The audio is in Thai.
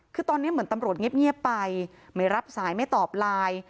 คือตอนนี้เหมือนตำรวจเงียบไปไม่รับสายไม่ตอบไลน์